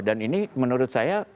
dan ini menurut saya